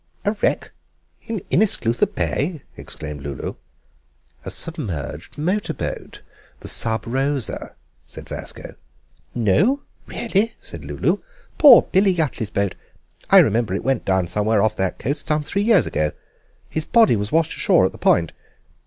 "A wreck in Innisgluther Bay!" exclaimed Lulu. "A submerged motor boat, the Sub Rosa," said Vasco. "No! really?" said Lulu; "poor Billy Yuttley's boat. I remember it went down somewhere off that coast some three years ago. His body was washed ashore at the Point.